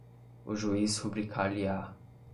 o juiz rubricar-lhe-á